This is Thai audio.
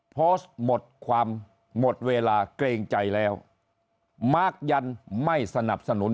โพสต์หมดความหมดเวลาเกรงใจแล้วมาร์คยันไม่สนับสนุน